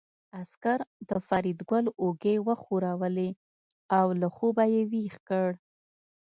عسکر د فریدګل اوږې وښورولې او له خوبه یې ويښ کړ